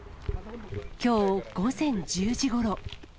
きょう午前１０時ごろ。